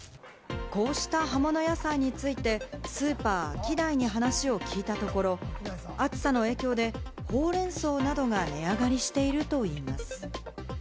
こうした葉物野菜について、スーパー・アキダイに話を聞いたところ、暑さの影響でホウレンソウなどが値上がりしていると言います。